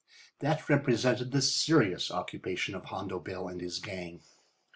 That represented the serious occupation of Hondo Bill and his gang.